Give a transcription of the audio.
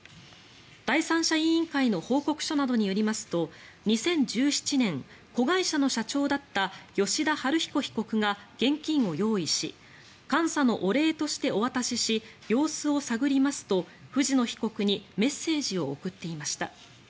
第三者委員会の報告書などによりますと２０１７年、子会社の社長だった吉田晴彦被告が現金を用意し監査のお礼としてお渡しし様子を探りますと、藤野被告にメッセージを送っていました。